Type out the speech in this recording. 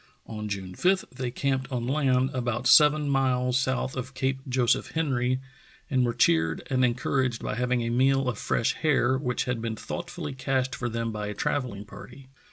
On June 5 they camped on land, about seven miles south of Cape Joseph Henry, and were cheered and en couraged by having a meal of fresh hare, which had been thoughtfully cached for them by a travelling party.